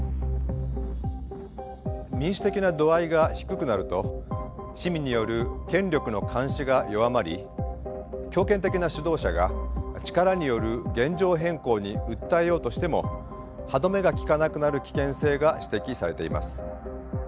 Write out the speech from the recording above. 民主的な度合いが低くなると市民による権力の監視が弱まり強権的な指導者が力による現状変更に訴えようとしても歯止めが利かなくなる危険性が指摘されています。